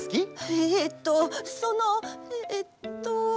えとそのえっと。